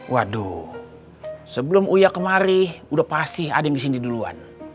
waduh sebelum uya kemari udah pasti ada yang di sini duluan